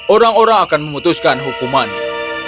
orang orang akan memutuskan hukumannya